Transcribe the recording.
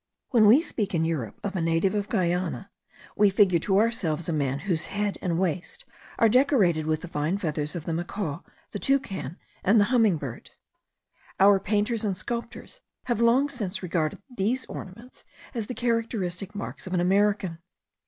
When we speak in Europe of a native of Guiana, we figure to ourselves a man whose head and waist are decorated with the fine feathers of the macaw, the toucan, and the humming bird. Our painters and sculptors have long since regarded these ornaments as the characteristic marks of an American.